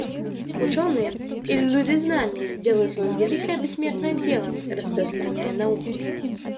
Ученые или люди знания делают свое великое бессмертное дело, распространяя науки.